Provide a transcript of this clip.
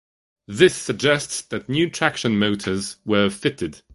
This suggests that new traction motors were fitted.